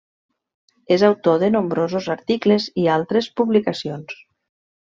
És autor de nombrosos articles i altres publicacions.